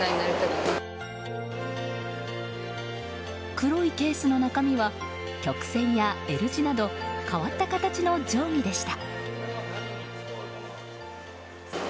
黒いケースの中身は曲線やＬ字など変わった形の定規でした。